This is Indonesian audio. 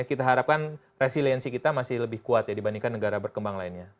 kita harapkan resiliensi kita masih lebih kuat ya dibandingkan negara berkembang lainnya